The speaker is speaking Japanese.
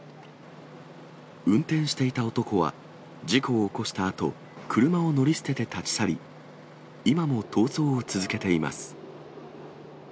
運転していた男は、事故を起こしたあと、車を乗り捨てて立ち去り、今も逃走を続けています。